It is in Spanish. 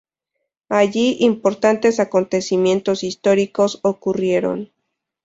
Allí importantes acontecimientos históricos ocurrieron.